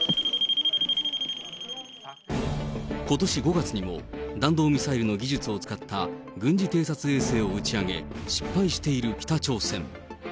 ことし５月にも、弾道ミサイルの技術を使った軍事偵察衛星を打ち上げ、失敗している北朝鮮。